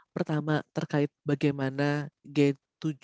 pertama terkait bagaimana g tujuh akan merespon